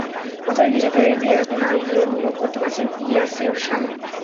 কথাটা নিজের ক্যারিয়ার দিয়ে এখন আরও ভালো অনুভব করতে পারছেন ইয়াসির শাহ।